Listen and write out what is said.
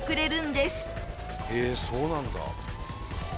へえーそうなんだ！